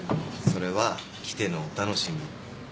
それは来てのお楽しみ。